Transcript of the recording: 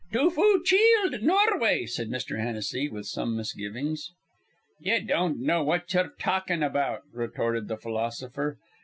"To Foocheeld, Norway," said Mr. Hennessy, with some misgivings. "Ye don't know what ye're talkin' about," retorted the philosopher.